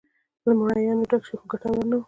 له مریانو ډک شي خو ګټور نه و.